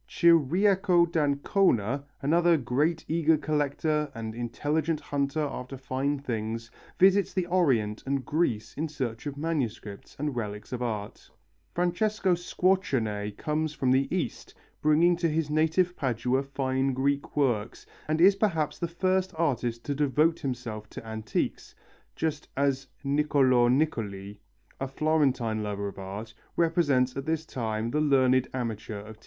Ciriaco d'Ancona, another great eager collector and intelligent hunter after fine things, visits the Orient and Greece in search of manuscripts and relics of art; Francesco Squarcione comes from the East, bringing to his native Padua fine Greek works, and is perhaps the first artist to devote himself to antiques, just as Niccolo Niccoli, a Florentine lover of art, represents at this time the learned amateur of taste.